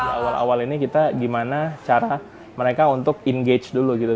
di awal awal ini kita gimana cara mereka untuk engage dulu gitu